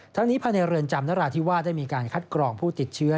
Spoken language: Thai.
ทั้งนี้ภายในเรือนจำนราธิวาสได้มีการคัดกรองผู้ติดเชื้อ